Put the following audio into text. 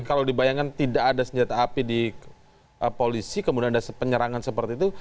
kalau dibayangkan tidak ada senjata api di polisi kemudian ada penyerangan seperti itu